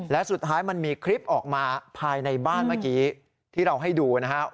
และสุดท้ายมันมีคลิปออกมาภายในบ้านเมื่อกี้ที่เราให้ดูนะครับ